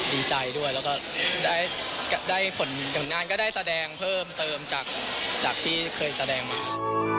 และฝนผลงานก็ได้แสดงเพิ่มเติมจากที่เคยแสดงมา